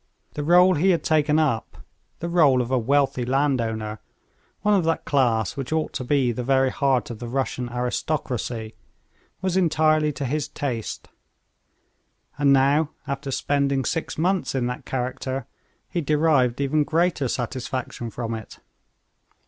The rôle he had taken up, the rôle of a wealthy landowner, one of that class which ought to be the very heart of the Russian aristocracy, was entirely to his taste; and now, after spending six months in that character, he derived even greater satisfaction from it.